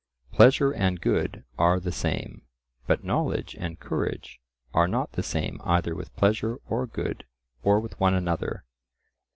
Pleasure and good are the same, but knowledge and courage are not the same either with pleasure or good, or with one another.